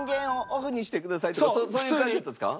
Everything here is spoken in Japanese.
そういう感じだったんですか？